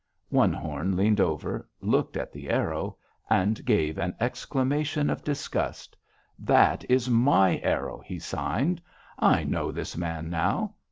"One Horn leaned over, looked at the arrow, and gave an exclamation of disgust: 'That is my arrow,' he signed. 'I know this man now.